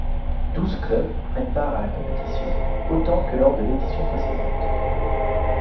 Douze clubs prennent part à la compétition, autant que lors de l'édition précédente.